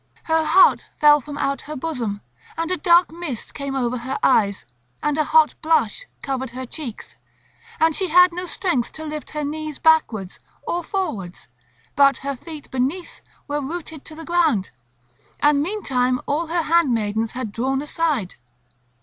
Her heart fell from out her bosom, and a dark mist came over her eyes, and a hot blush covered her cheeks. And she had no strength to lift her knees backwards or forwards, but her feet beneath were rooted to the ground; and meantime all her handmaidens had drawn aside.